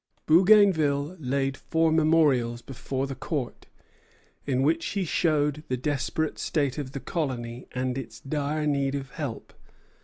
Bougainville laid four memorials before the Court, in which he showed the desperate state of the colony and its dire need of help.